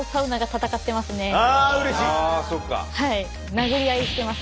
殴り合いしてます。